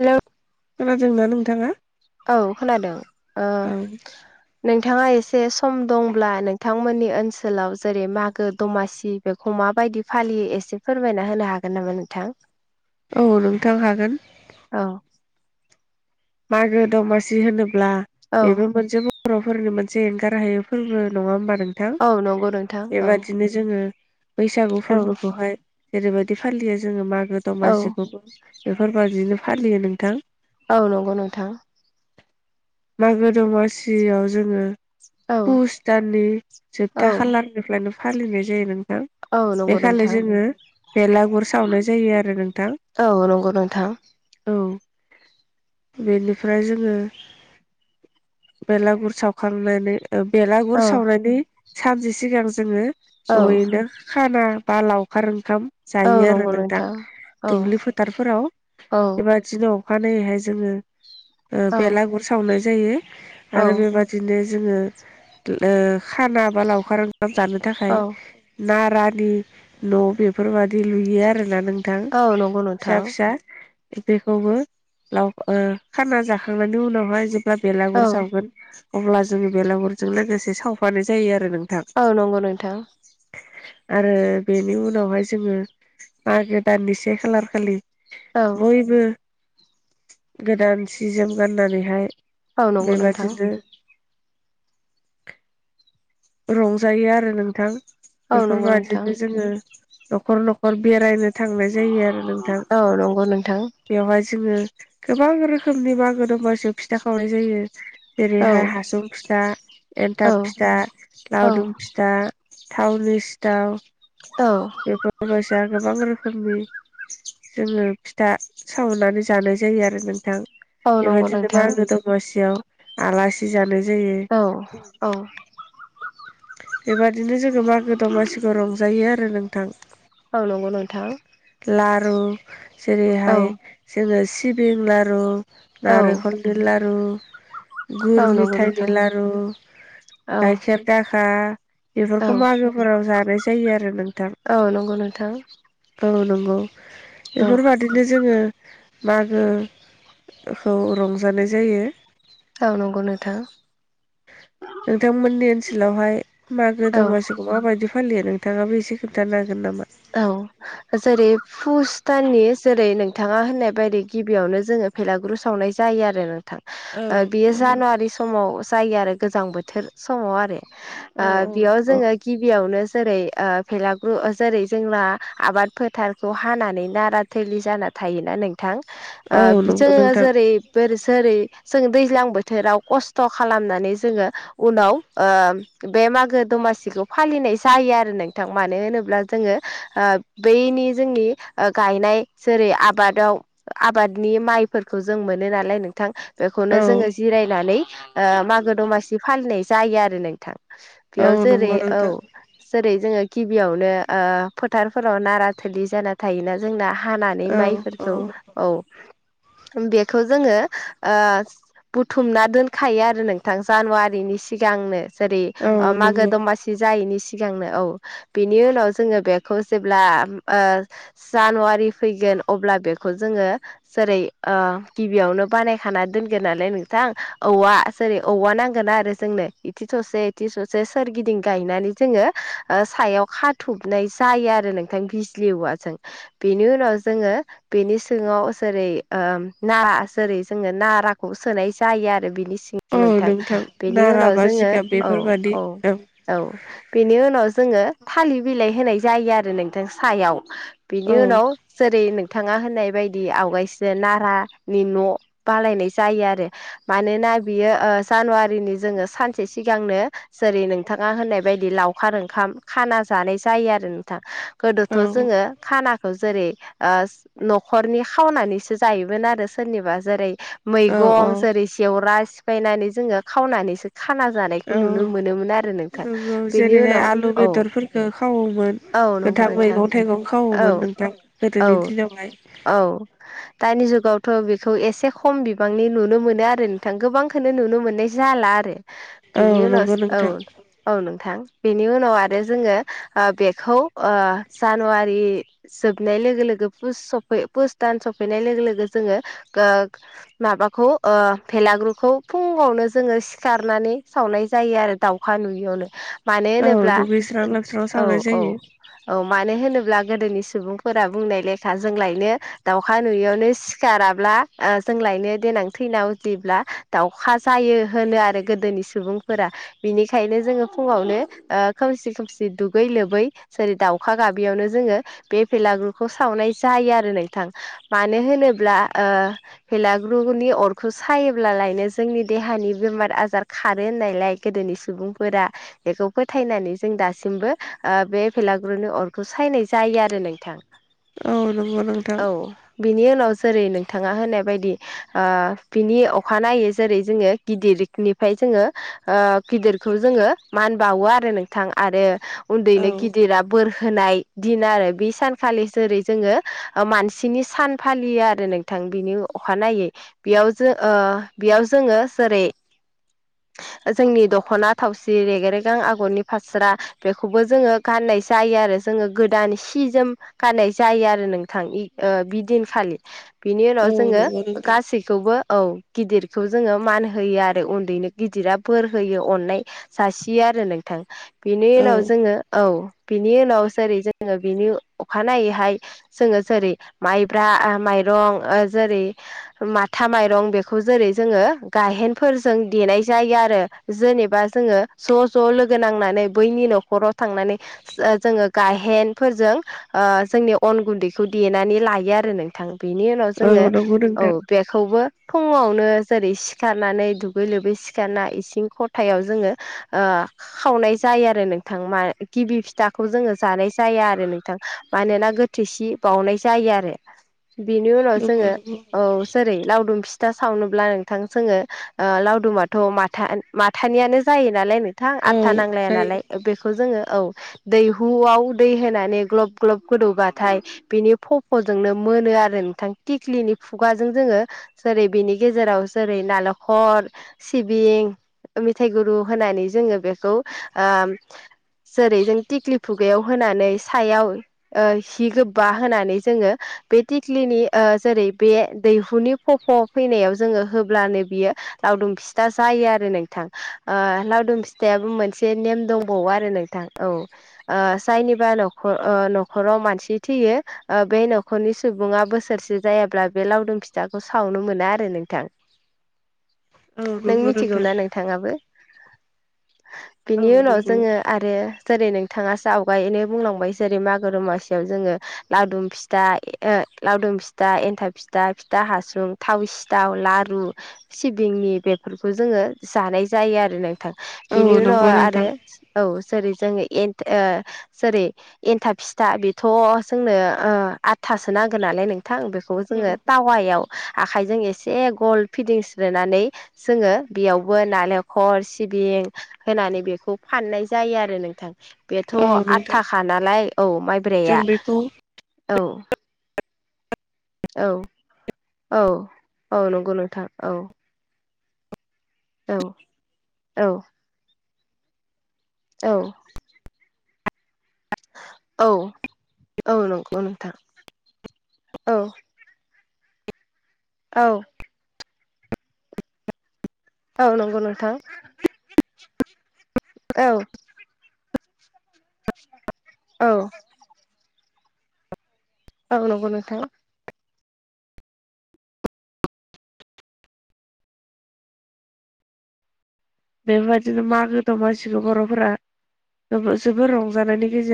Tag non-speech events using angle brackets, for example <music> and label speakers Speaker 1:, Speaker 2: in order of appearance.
Speaker 1: Hello
Speaker 2: खोनादोंना नोंथाङा
Speaker 1: औ खोनादों ओ
Speaker 2: औ
Speaker 1: नोंथाङा एसे सम दंब्ला नोंथांमोननि ओनसोलाव जेरै मागो दमासि बेखौ माबायदि फालियो एसे फोरमायना होनो हागोन नामा नोंथां
Speaker 2: औ नोंथां हागोन
Speaker 1: अ
Speaker 2: मागो दमासि होनोब्ला
Speaker 1: औ
Speaker 2: बेबो मोनसे बर'फोरनि मोनसे एंगार हायै फोरबो नङा होमबा नोंथां
Speaker 1: औ नंगौ नोंथां औ
Speaker 2: बेबादिनो जोङो बैसागु
Speaker 1: औ
Speaker 2: फोरबोखौहाय जेरैबायदि फालियो जोङो मागो
Speaker 1: औ
Speaker 2: दमासिखौबो बेफोरबादिनो फालियो नोंथां
Speaker 1: औ नंगौ नोंथां
Speaker 2: मागो दमासियाव जोङो
Speaker 1: औ
Speaker 2: पुस दाननि
Speaker 1: औ
Speaker 2: जोबथा खालारनिफ्रायनो फालिनाय जायो नोंथां
Speaker 1: औ
Speaker 2: बे
Speaker 1: नंगौ
Speaker 2: खालि
Speaker 1: नोंथां
Speaker 2: जोङो बेलागुर सावनाय जायो आरो नोंथां
Speaker 1: औ नंगौ नोंथां
Speaker 2: औ बेनिफ्राय जोङो बेलागुर सावखांनानै
Speaker 1: औ
Speaker 2: बेलागुर सावनायनि सानसे सिगां जोङो
Speaker 1: औ
Speaker 2: ज'यैनो खाना बालाव लावखार ओंखाम
Speaker 1: औ
Speaker 2: जायो आरो
Speaker 1: नंगौ
Speaker 2: नोंथां
Speaker 1: औ
Speaker 2: दुब्लि फोथारफोराव
Speaker 1: औ
Speaker 2: एबा दिनाव अखानायैहाय जोङो
Speaker 1: औ
Speaker 2: बेलागुर सावनाय जायो आरो बेबाद बिदिनो जोङो ओ खाना बा लावखार ओंखाम जानो थाखाय
Speaker 1: औ
Speaker 2: नारानि न' बेफोरबादि लुयो आरोना नों थां
Speaker 1: औ नंगौ नोंथां
Speaker 2: फिसा फिसा बेखौबो लाव ओ खाना जाखांनायनि उनावहाय जेब्ला
Speaker 1: औ
Speaker 2: बेलागुर सावगोन अब्ला जोङो बेलागुरजों लोगोसे सावफानाय जायो आरो नों
Speaker 1: औ नंगौ नोंथां
Speaker 2: आरो बेनि उनावहाय जोङो मागो दाननि से खालार खालि
Speaker 1: औ
Speaker 2: बयबो गोदान सि जोम गाननानैहाय
Speaker 1: औ नंगौ नोंथां
Speaker 2: बेबादिनो रंजायो आरो नोंथां
Speaker 1: औ नंगौ नोंथां
Speaker 2: बेफोरबादिनो जोङो नखर नखर बेरायनो थांनाय जायो आरो नोंथां
Speaker 1: औ नंगौ नोंथां
Speaker 2: बेवहाय जोङो गोबां रोखोमनि मागो दमासो फिथा खावनाय जायो
Speaker 1: औ
Speaker 2: जेरैहाय हासुं फिसा
Speaker 1: औ
Speaker 2: एन्थाब फिथा
Speaker 1: औ
Speaker 2: लावदुम फि था थावनि सिथाव
Speaker 1: औ
Speaker 2: बेफोरबैसा गोबां रोखोमनि जोङो फिथा सावनानै जानाय जायो आरो नोंथां
Speaker 1: औ नंगौ
Speaker 2: बेबायदिनो
Speaker 1: नोंथां
Speaker 2: मागो दमासियाव आलासि जानाय जायो
Speaker 1: औ औ
Speaker 2: बेबादिनो जोङो मागो दमासिखौ रंजायो आरो नोंथां
Speaker 1: औ नंगौ नोंथां
Speaker 2: लारु
Speaker 1: औ
Speaker 2: जेरैहाय जोङो सिबिं लारु
Speaker 1: औ
Speaker 2: नारेंखल बे लारु
Speaker 1: औ
Speaker 2: गुर
Speaker 1: नंगौ नोंथां औ
Speaker 2: खेर दाखा
Speaker 1: औ
Speaker 2: बेफोरखौ मागोफोराव जानाय जायो आरो नोंथां
Speaker 1: औ नंगौ नोंथां
Speaker 2: औ नंगौ
Speaker 1: औ
Speaker 2: बेफोरबादि बिदिनो जोङो मागोखौ रंजानाय जायो
Speaker 1: औ नंगौ नोंथां
Speaker 2: नोंथांमोननि
Speaker 1: <unintelligible>
Speaker 2: ओनसोलावहाय मागो
Speaker 1: औ
Speaker 2: दमासिखौ माबायदि फालियो नोंथाङाबो एसे खोन्थानो हागोन नामा
Speaker 1: औ जेरै पुस दाननि जेरै नोंथाङा होननाय बायदि गिबियावनो जोङो भेलागुरु सावनाय जायो आरो नोंथां
Speaker 2: औ
Speaker 1: अ बियो जानुवारि समाव जायो आरो गोजां बोथोर समाव आरो।
Speaker 2: औ
Speaker 1: ओ बेयाव
Speaker 2: नंगौ
Speaker 1: जोङो गिबियावनो जेरै बेलागुर जेरै- जोंना आबाद फोथारखौ हानानै नारा थिलि जाना थायोना नों थां आ
Speaker 2: औ नंगौ
Speaker 1: जोङो
Speaker 2: नोंथां
Speaker 1: जेरै बोरैसोरै जों दैज्लां बोथोराव खस्थ' खालामनानै जोङो उनाव ओ बे मागो दमासिखौ फालिनाय जायो आरो नोंथां मानो होनोब्ला जोङो ओ बैनि जोंनि गायनाय जेरै आबादाव आबादनि माइफोरखौ जों मोनो नालाय नोंथां बेखौनो
Speaker 2: औ
Speaker 1: जोङो जिरायनानै आ मागो दमासि फालिनाय जायो आरो लै। थां
Speaker 2: औ
Speaker 1: बेयाव जेरै
Speaker 2: नंगौ
Speaker 1: औ
Speaker 2: नोंथां
Speaker 1: जेरै जोङो गिबियावनो ओ फोथारफोराव नारा थिलि जाना थायोना जोंना हानानै
Speaker 2: औ औ
Speaker 1: माइफोरखौ औ। बेखौ जोङो ओ बुथुमना दोनखायो आरो नोंथां जानुवारिनि सिगांनो। जेरै
Speaker 2: औ
Speaker 1: आ मागो
Speaker 2: नंगौ
Speaker 1: दमासि जायैनि सिगांनो औ बिनि उनाव जोङो बे खौ जेब्ला ओ जानुवारि फैगोन अब्ला बेखौ जोङो जेरै आ गिबियावनो बानायखाना दोनगोन नालाय नोंथां औवा जेरै औवा नांगोना आरो। जोंनो इथि थसे इथि ससे सोरगिदिं गायनानै जोङो ओ सायाव खााथुबनाय जायो आरो नोंथां बिजलि औवाजों बेनि उनाव जोङो बेनि सिङाव जेरै ओ नारा जेरै जोङो नाराखौ सोनाय जायो आरो बेनि
Speaker 2: औ
Speaker 1: सिङाव नोंथां बेनि
Speaker 2: नारा
Speaker 1: उनाव
Speaker 2: बा
Speaker 1: जोङो
Speaker 2: जिगाब
Speaker 1: औ
Speaker 2: बेफोरबादि
Speaker 1: औ औ बेनि उनाव जोङो थालिर बिलाइ होनाय जायो आरो नोंथां सायाव। बिनि
Speaker 2: औ
Speaker 1: उनाव जेरै नोंथाङा होननाय बायदि आवगायसिनो नारानि न' बानायनाय जायो आरो। मानोना बियो ओ जानुवारिनि जोङो सानसे सिगांनो जेरै नोंथाङा होननाय बायदि लाव खार ओंखाम खाना जानाय जायो आरो नोंथां ।गोदोथ'
Speaker 2: औ
Speaker 1: जोङो खानाखौ जेरै ओ न'खरनि खावनानैसो जायोमोन आरो सोरनिबा जेरै-
Speaker 2: औ
Speaker 1: मैगं
Speaker 2: औ
Speaker 1: जेरै जेवरा सिफायनानै जोङो खावनानैसो खाना जानायखौ नुनो
Speaker 2: औ
Speaker 1: मोनोमोन आरो नोंथां बेनि उनाव औ
Speaker 2: ओ खावोमोन
Speaker 1: औ नंगौ
Speaker 2: गोथां
Speaker 1: नोंथां
Speaker 2: मैगं थाइगं
Speaker 1: औ
Speaker 2: खावोमोन नोंथां
Speaker 1: औ
Speaker 2: गोदोनि दिनावहाय।
Speaker 1: औ दानि जुगावथ' बेखौ एसे खम बिबांनि नुनो मोनो आरो नोंथां। गोबां खौनो नुनो मोननाय जाला आरो। बिनि
Speaker 2: औ
Speaker 1: उनाव
Speaker 2: नंगौ
Speaker 1: औ
Speaker 2: नोंथां
Speaker 1: औ नोंथां बेनि उनाव आरो जोङो बेखौ ओ जानुवारि जोबनाय लोगो लोगो पुस सफै पुस दान सफैनाय लोगो- लोगो जोङो गो माबाखौ ओ बेलागुरखौ फुङावनो जोङो सिखारनानै सावनाय जायो। आरो दाउ खा नुयियावनो मानो
Speaker 2: औ
Speaker 1: होनोब्ला
Speaker 2: दुगैस्रां लोबस्रां
Speaker 1: औ
Speaker 2: सावनाय
Speaker 1: औ।
Speaker 2: जायो
Speaker 1: औ मानो होनोब्ला गोदोनि सुबुंफोरा बुंनाय लेखा जोंलायनो दाउखा नुयियावनो सिखाराब्ला आ जोंलायनो देनां थैनाव उजियोब्ला दावउखा जायो होनो आरो गोदोनि सुबुंफोरा। बिनिखायनो जोङो फुङावनो ओ खोमसि खोमसि दुगै लोबै जेरै दाउखा गाबियावनो जोङो बे बेलागुरखौ सावनाय जायो आरो नोंथां। मानो होनोब्ला ओ बेलागुरनि अरखौ सायोब्लालायनो जोंनि देहानि बेमार आजार खारो होननायलाय गोदोनि सुबुंफोरा बेखौ फोथायनानै जों दास सिमबो ओ बे भेलागुरुनि अरखौ सायनाय जायो आरो नोंथां।
Speaker 2: औ नंगौ नोंथां
Speaker 1: औ बिनि उनाव जेरै नोंथाङा होनाय बायदि ओ बिनि अखानायनायै जेरै जोङो गिदिरनिफ्राय जोङो ओ गिदिरखौ जोङो मान बावो आरो नोंथां आरो
Speaker 2: औ
Speaker 1: उन्दैनो गिदिरा बोर होनाय दिन आरो बे सानखालि जेरै जोङो मानसिनि सान फालियो आरो बिथां बिनि अखानायनायै बेयाव जों ओ बेयाव जोङो जेरै- जोंनि दख'ना थावसि रेगेरेगां आगरनि फास स्रा बेखौबो जोङो गाननाय जायो आरो जोङो गोदान सि जोम गाननाय जायो आरो नोंथां ओ बिदिनखालि बिनि उनाव
Speaker 2: औ
Speaker 1: जोङो
Speaker 2: नंगौ नोंथां
Speaker 1: गासै खौबो औ गिदिरखौ जोङो मान होयो आरो उन्दैनो गिदिरा बोर होयो अननाय जासियो आरो नोंथां बेनि
Speaker 2: औ
Speaker 1: उनाव जोङो औ बिनि उनाव जेरै जोङो बिनि अखानायैहाय जोङो जेरै माइब्रा माइरं जेरै माथा माइरं बेखौ जेरै जोङो गायेनफोरजों देनाय जायो आरो जेनेबा जोङो ज' ज' लोगो नांनानै बैनि न'खराव थांनानै जोङो गायेनफोरजों जोंनि अन गुन्दैखौ देनानै लायो आरो नोंथां बेनि उनाव जोङो
Speaker 2: औ नंगौ
Speaker 1: औ
Speaker 2: नोंथां
Speaker 1: बे खौबो थङावनो जेरै सिखारनानै दुगै लोबै सिखारना इसिं ख हथायाव जोङो खावनाय जायो आरो नोंथां मा गिबि फिथाखौ जोङो जानाय जाया आरो नोंथां मानोना गो थोसि बावउनाय जायो आरो बेनि उनाव जोङो
Speaker 2: नंगौ नंगौ
Speaker 1: औ जेरै लावदुम फिथा सावनोब्ला नोंथां जोङो लावदुमाथ' माथा माथानियानो जायो नालाय नोंथां
Speaker 2: औ
Speaker 1: आदथा नांलाया
Speaker 2: जायो
Speaker 1: नालाय बेखौ जोङो औ दैहुआव दै होनानै ग्लब ग्लब गोदौबाथाय बिनि फफ'जोंनो मोनो आरो नोंथां थिख्लिनि खुगाजों जोङो जेरै बिनि गेजेराव जेरै नालखर सिबिं मिेथाइ गुरु होनानै जोङो बेखौ जेरै जों दििग्लि फुगायाव होनानै सायाव सिि गोबा होनानै जोङो बे दििख्लिनि जेरै बे दैहुनि फफ' फैनायाव जोङो होब्लानो बियो लावदुम फिथा जायो आरो नोंथां लावदुम फिथा फिथाइाबो मोनसे नेम दंबावो आरो नोंथां औ जायनिबा नख न'खराव मानसि थैयो बे न'खरनि सुबुङा बोसोरसे जायाब्ला बे लावदुम फिथाखौ सावनो मोना आरो नोंथां
Speaker 2: औ
Speaker 1: नों
Speaker 2: नंगौ
Speaker 1: मिथिगौ
Speaker 2: नोंथां
Speaker 1: ना नों थाङाबो
Speaker 2: औ
Speaker 1: बिनि उनाव
Speaker 2: नंगौ
Speaker 1: जोङो आरो जेरै नोंथाङा ज आवगायैनो बुंलांबाय जेरै मागो दमासियाव जोङो लावदुम फिथा लावदुम फिथा एन्थाब फिथा फिथा हासुं थाव सिथाव लारु सिबिंनि बेफोरखौ जोङो जानाय जायो आरो नोंथां
Speaker 2: औ
Speaker 1: बेनि उनाव
Speaker 2: नंगौ नोंथां
Speaker 1: आरो औ स जोङोथ जेरै एन्थाब फिथा बेथ' जोंनो आदथासो नांगोन नालाय नोंथां बेखौ बेखौबो
Speaker 2: औ
Speaker 1: जोङो टावायाव आखाइजों एसे गल फिदिंस्रोनानै जोङो बेयावबो नालेंखल सिबिं होनानै बेखौ फाननाय जायो आरो नोंथां बेथ'
Speaker 2: औ नोंथां
Speaker 1: आदथाखा नालाय औ
Speaker 2: जों
Speaker 1: माइब्राया
Speaker 2: बेखौ
Speaker 1: औ औ औ औ नंगौ नोंथां औ औ औ औ औ औ नंगौ नोंथां औ औ औ नंगौ नथां औ औ औ नंगौ नोंथां
Speaker 2: बेबायदिनो मागो दमासिबो बर'फोरा जोबो‌ जोबोर रंजानायनि गेजेर